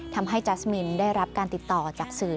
แจ๊สมินได้รับการติดต่อจากสื่อ